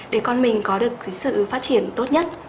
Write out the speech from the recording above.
để con mình có được sự phát triển tốt nhất